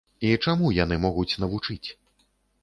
І чаму яны могуць навучыць?